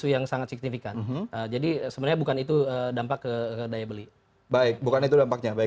yang sangat signifikan jadi sebenarnya bukan itu dampak ke daya beli baik bukan itu dampaknya baik